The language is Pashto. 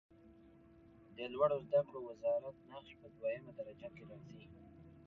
د لوړو زده کړو وزارت نقش په دویمه درجه کې راځي.